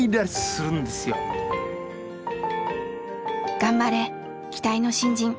頑張れ期待の新人！